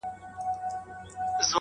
چي ودڅنګ تې مقبره جوړه د سپي ده,